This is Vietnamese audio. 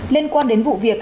liên quan đến vụ việc